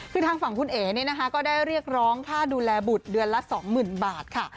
คือทางฝั่งคุณเอ๋เนี่ยนะคะก็ได้เรียกร้องค่าดูแลบุตรเดือนละ๒๐๐๐บาทค่ะ